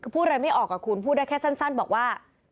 คือพูดอะไรไม่ออกคุณพูดได้แค่สั้นบอกว่า